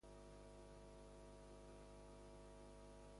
Nas de cigró.